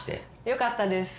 よかったです